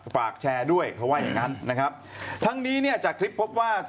ฝากแชร์ด้วยเขาว่าอย่างงั้นนะครับทั้งนี้เนี่ยจากคลิปพบว่า